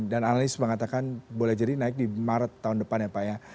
dan analis mengatakan boleh jadi naik di maret tahun depan ya pak ya